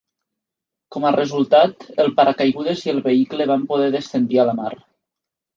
Com a resultat, el paracaigudes i el vehicle van poder descendir a la mar.